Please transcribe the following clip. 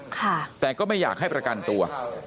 แต่ก็ไม่อยากให้ประกันตัว